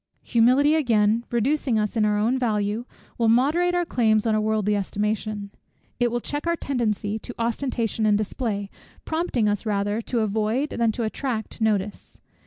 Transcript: Humility, again, reducing us in our own value, will moderate our claims on worldly estimation. It will check our tendency to ostentation and display, prompting us rather to avoid, than to attract notice.